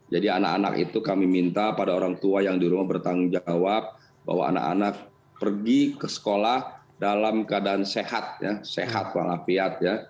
jadi anak anak itu kami minta pada orang tua yang di rumah bertanggung jawab bahwa anak anak pergi ke sekolah dalam keadaan sehat sehat walafiat ya